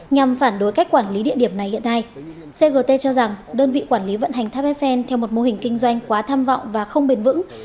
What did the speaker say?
nhằm phản đối cách quản lý địa điểm này hiện nay cgt cho rằng đơn vị quản lý vận hành tháp eiffel theo một mô hình kinh doanh quá tham vọng và không bền vững